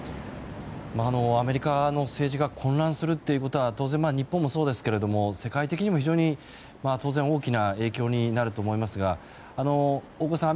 アメリカの政治が混乱するということは日本もそうですが世界的にも非常に当然、大きな影響になると思いますが大越さん